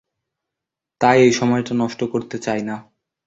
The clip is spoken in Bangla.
তাই এই সময়টা নষ্ট করতে চাই না।